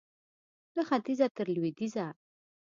له ختیځه تر لوېدیځه